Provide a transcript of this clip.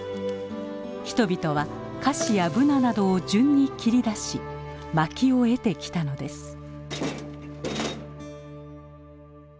人々はカシやブナなどを順に伐り出しまきを得てきたのです。